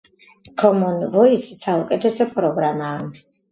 ქომონ ვოისი საუკეთესო პროგრამაა